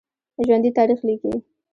ژوندي تاریخ لیکي